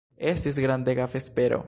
Estis grandega vespero.